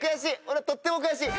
俺とっても悔しい！